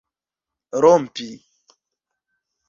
rompi